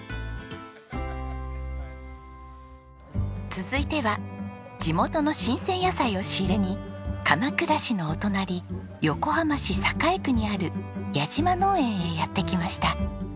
続いては地元の新鮮野菜を仕入れに鎌倉市のお隣横浜市栄区にある矢島農園へやって来ました。